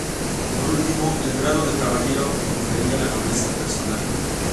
Por último, el grado de caballero confería la nobleza personal.